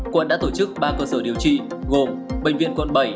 quận đã tổ chức ba cơ sở điều trị gồm bệnh viện quận bảy